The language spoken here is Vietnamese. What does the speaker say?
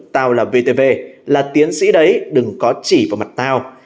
tào là vtv là tiến sĩ đấy đừng có chỉ vào mặt tào